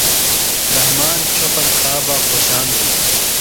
رحمان چھوۡپن کھا بہ خوۡشان بِھلوۡ۔